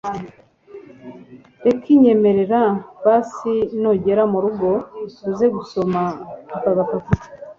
Ricky nyemerera basi nugera murugo uze gusoma akagapapuro